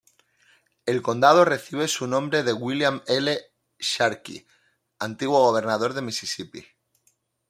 El condado recibe su nombre de William L. Sharkey, antiguo gobernador de Misisipi.